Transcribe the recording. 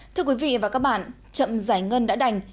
thưa quý vị và các bạn chậm giải ngân đã đành